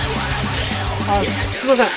あっすいません。